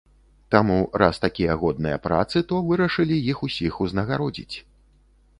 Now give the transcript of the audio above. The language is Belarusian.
Таму, раз такія годныя працы, то вырашылі іх усіх узнагародзіць.